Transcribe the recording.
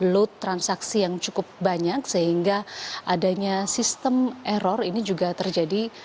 load transaksi yang cukup banyak sehingga adanya sistem error ini juga terjadi